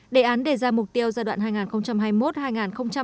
đề án đề ra mục tiêu giai đoạn hai nghìn hai mươi một hai nghìn hai mươi năm